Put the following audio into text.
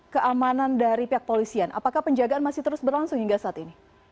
keamanan dari pihak polisian apakah penjagaan masih terus berlangsung hingga saat ini